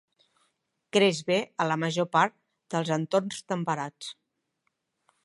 Creix bé a la major part dels entorns temperats.